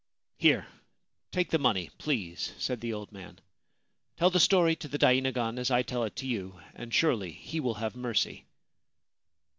' Here ! take the money, please,' said the old man. * Tell the story to the dainagon as I tell it to you, and surely he will have mercy.'